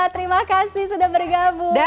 terima kasih sudah bergabung bersama kami